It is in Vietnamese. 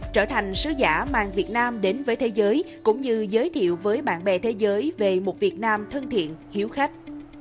trở thành sứ giả mang việt nam đến với thế giới cũng như giới thiệu với bạn bè thế giới về một việt nam thân thiện hiếu khách